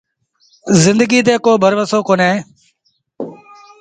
زندڪيٚ تي ڪو ڀروسو ڪونهي۔